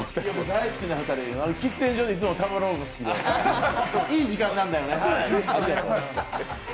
大好きな２人、喫煙所でいつもたむろうの好きいい時間なんだよね。